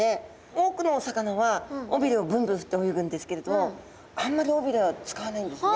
多くのお魚は尾びれをブンブン振って泳ぐんですけれどあんまり尾びれは使わないんですね。